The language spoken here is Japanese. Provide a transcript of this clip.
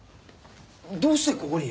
どうしてここに？